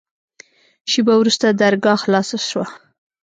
شېبه وروسته درګاه خلاصه سوه.